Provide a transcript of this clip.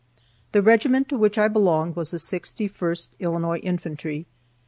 The regiment to which I belonged was the 61st Illinois Infantry.